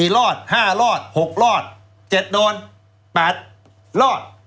รอด๕รอด๖รอด๗โดน๘รอด